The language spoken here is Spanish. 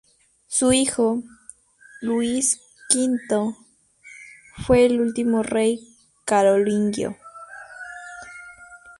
Su hijo, Luis V, fue el último rey carolingio.